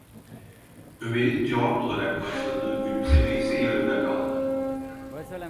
Ömer’in cevap olarak başladığı gülümseme ise yarıda kaldı.